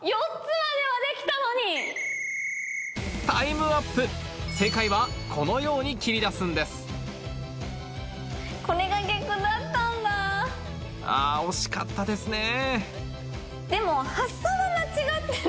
タイムアップ正解はこのように切り出すんですあ惜しかったですねでも。